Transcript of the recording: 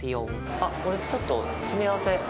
あっ、これ、ちょっと詰め合わせ。